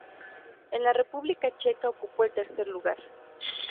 En la República Checa ocupó el tercer lugar.